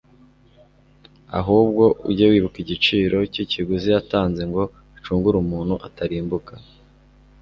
ahubwo ujye wibuka igiciro cy'ikiguzi yatanze ngo acungure umuntu atarimbuka